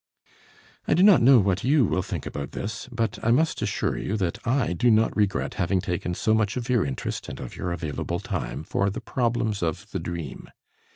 I do not know what you will think about this, but I must assure you that I do not regret having taken so much of your interest and of your available time for the problems of the dream.